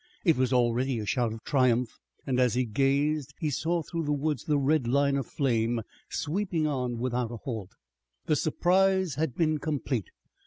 It was already a shout of triumph and, as he gazed, he saw through the woods the red line of flame, sweeping on without a halt. The surprise had been complete.